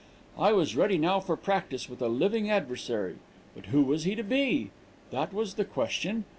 "I was ready now for practice with a living adversary. But who was he to be? that was the question.